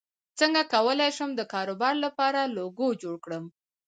څنګه کولی شم د کاروبار لپاره لوګو جوړ کړم